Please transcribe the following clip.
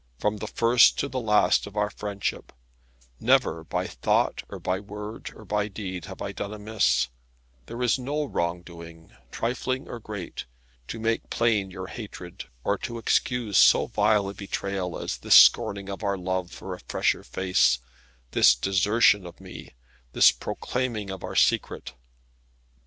From the first to the last of our friendship, never by thought, or by word, or by deed, have I done amiss; there is no wrong doing, trifling or great, to make plain your hatred, or to excuse so vile a betrayal as this scorning of our love for a fresher face, this desertion of me, this proclaiming of our secret.